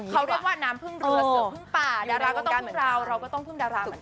เขาเรียกว่าน้ำพึ่งเรือเสือพึ่งป่าดาราก็ต้องพึ่งเราเราก็ต้องพึ่งดาราเหมือนกัน